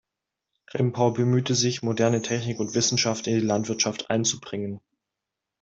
Rimpau bemühte sich, moderne Technik und Wissenschaft in die Landwirtschaft einzubringen.